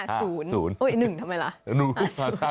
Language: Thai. โอยยย๑ทำไมละ